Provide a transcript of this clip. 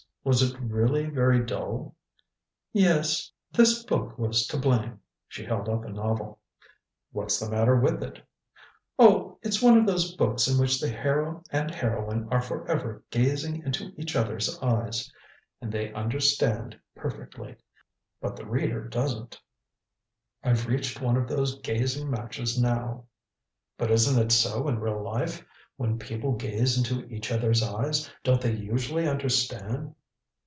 Was it really very dull?" "Yes. This book was to blame." She held up a novel. "What's the matter with it?" "Oh it's one of those books in which the hero and heroine are forever 'gazing into each other's eyes.' And they understand perfectly. But the reader doesn't. I've reached one of those gazing matches now." "But isn't it so in real life when people gaze into each other's eyes, don't they usually understand?"